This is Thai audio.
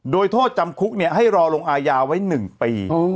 โดยโทษจำคุกให้รอลงอายาไว้๑ปี